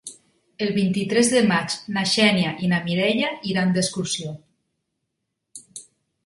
El vint-i-tres de maig na Xènia i na Mireia iran d'excursió.